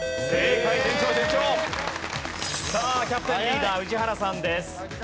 さあキャプテンリーダー宇治原さんです。